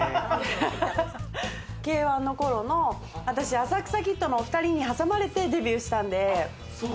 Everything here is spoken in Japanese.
Ｋ−１の頃の、私、浅草キッドのお２人に挟まれてデビューしたんで。